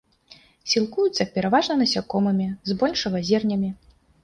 Сілкуюцца пераважна насякомымі, збольшага зернямі.